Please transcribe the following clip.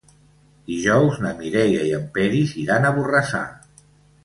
Dijous na Mireia i en Peris iran a Borrassà.